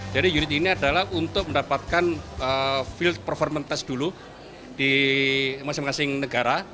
jadi unit ini adalah untuk mendapatkan field performance test dulu di masing masing negara